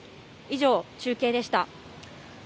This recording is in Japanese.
以上、中継でした。